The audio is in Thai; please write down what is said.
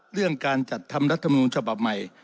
เรื่องการจัดทำรัฐมนูลฉบับใหม่